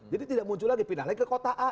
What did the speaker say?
jadi tidak muncul lagi pindah lagi ke kota a